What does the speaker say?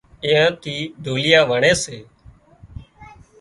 ايئان ٿِي ڍوليئا وڻي سي